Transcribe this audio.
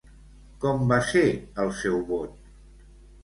Com va ser el seu vot?